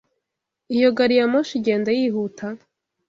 Iyo gari ya moshi igenda yihuta?